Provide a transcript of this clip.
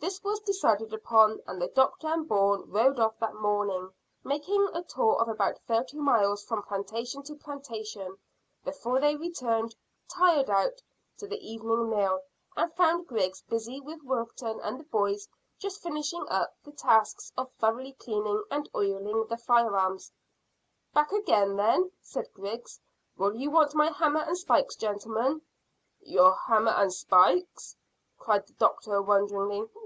This was decided upon, and the doctor and Bourne rode off that morning, making a tour of about thirty miles from plantation to plantation, before they returned, tired out, to the evening meal, and found Griggs busy with Wilton and the boys just finishing up the task of thoroughly cleaning and oiling the firearms. "Back again, then?" said Griggs. "Will you want my hammer and spikes, gentlemen?" "Your hammer and spikes?" cried the doctor, wonderingly.